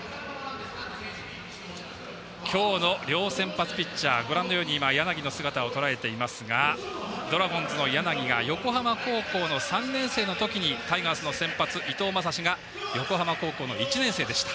今日の両先発ピッチャーご覧のように柳の姿をとらえていますがドラゴンズの柳が横浜高校の３年生の時にタイガースの先発、伊藤将司が横浜高校の１年生でした。